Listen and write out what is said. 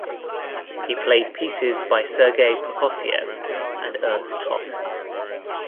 He played pieces by Sergei Prokofiev and Ernst Toch.